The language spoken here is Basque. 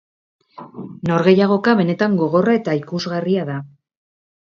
Norgehiagoka benetan gogorra eta ikusgarria da.